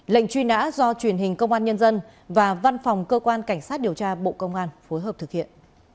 lệnh truy nã do truyền hình công an nhân dân và văn phòng cơ quan cảnh sát điều tra bộ công an phối hợp thực hiện